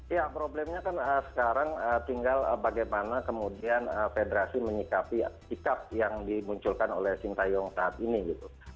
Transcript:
ya problemnya kan sekarang tinggal bagaimana kemudian federasi menyikapi sikap yang dimunculkan oleh sintayong saat ini gitu